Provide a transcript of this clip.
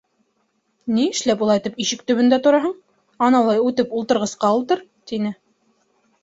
Ни эшләп улайтып ишек төбөндә тораһың, анаулай үтеп, ултырғысҡа ултыр, — тине.